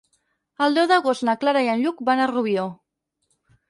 El deu d'agost na Clara i en Lluc van a Rubió.